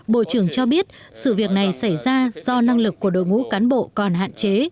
bộ trưởng cho biết sự việc này xảy ra do năng lực của đội ngũ cán bộ còn hạn chế